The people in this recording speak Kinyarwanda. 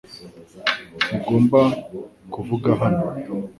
Ntugomba kuvuga hano .